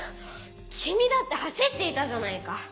きみだって走っていたじゃないか！